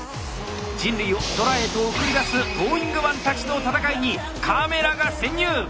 人類を空へと送り出すトーイングマンたちの戦いにカメラが潜入。